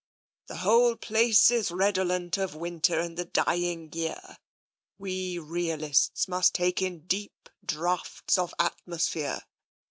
" The whole place is redolent of winter and the dying year. We realists must take in deep draughts of atmosphere."